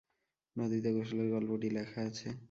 নদীতে গোসলের গল্পটি লেখা আছে।